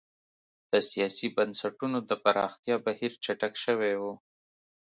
د سیاسي بنسټونو د پراختیا بهیر چټک شوی و.